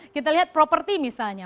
kita lihat properti misalnya